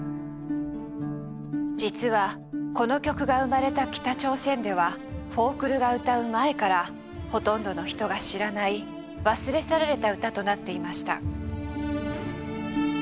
実はこの曲が生まれた北朝鮮ではフォークルが歌う前からほとんどの人が知らない忘れ去られた歌となっていました。